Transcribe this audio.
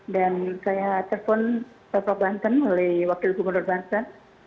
dan saya terpon bapak banten oleh wakil bumur banten